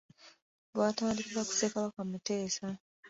Lwatandikira ku Ssekabaka Muteesa.